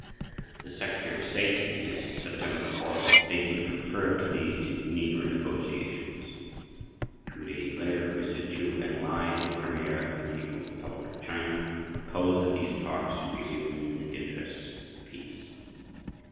[pg 18] The Secretary of State, in his September 4th statement, referred to these Geneva negotiations. Two days later, Mr. Chou En lai, the Premier of the People's Republic of China, proposed that these talks should be resumed "in the interests of peace."